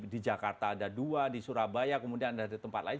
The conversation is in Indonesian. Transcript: di jakarta ada dua di surabaya kemudian ada di tempat lain